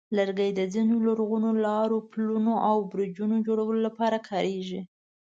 لرګي د ځینو لرغونو لارو، پلونو، او برجونو جوړولو لپاره کارېږي.